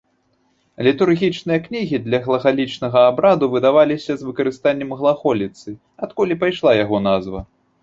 Літургічныя кнігі для глагалічнага абраду выдаваліся з выкарыстаннем глаголіцы, адкуль і пайшла яго назва.